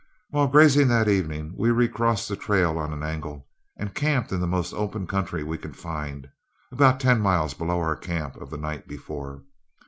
While grazing that evening, we recrossed the trail on an angle, and camped in the most open country we could find, about ten miles below our camp of the night before.